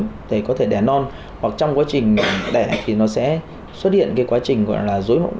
thì có thể đẻ non hoặc trong quá trình đẻ thì nó sẽ xuất hiện cái quá trình gọi là dối mộng